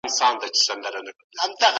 ژباړونکي ولي په مجلس کي دي؟